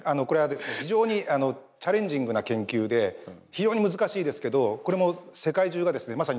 これはですね非常にチャレンジングな研究で非常に難しいですけどこれも世界中がですね